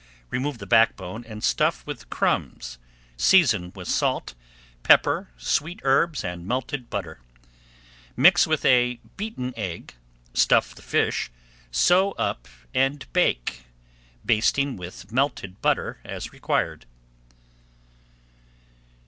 Remove the backbone and stuff with crumbs, seasoned with salt, pepper, sweet herbs, and melted [Page 244] butter. Mix with a beaten egg, stuff the fish, sew up, and bake, basting with melted butter as required.